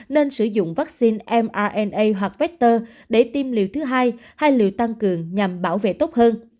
nên sử dụng vaccine mna hoặc vector để tiêm liều thứ hai hay liệu tăng cường nhằm bảo vệ tốt hơn